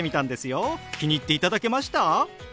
気に入っていただけました？